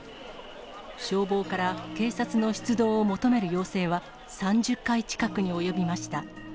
消防から警察の出動を求める要請は３０回近くに及びました。